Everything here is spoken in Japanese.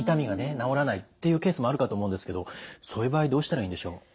治らないっていうケースもあるかと思うんですけどそういう場合どうしたらいいんでしょう？